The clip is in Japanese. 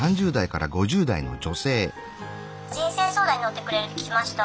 「人生相談にのってくれるって聞きました」。